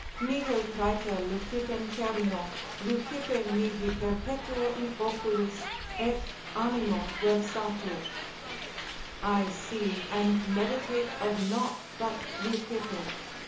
Nihil praeter Leucippen cerno, Leucippe mihi perpetuo in oculis, et animo versatur, I see and meditate of nought but Leucippe.